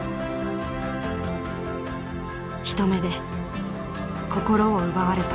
一目で心を奪われた。